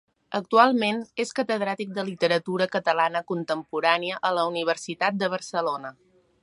Actualment és catedràtic de literatura catalana contemporània a la Universitat de Barcelona.